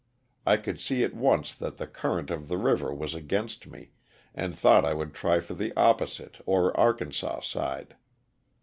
1 could see at once that the current of the river was against me, and thought J would try for tho opposite or Arkansas side.